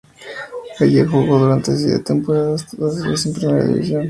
Allí jugó durante siete temporadas, todas ellas en la Primera División.